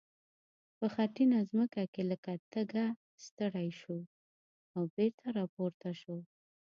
په خټینه ځمکه کې له تګه ستړی شو او بېرته را پورته شو.